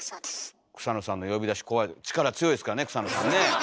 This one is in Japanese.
草野さんの呼び出し怖い力強いですからね草野さんね。